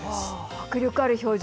迫力のある表情。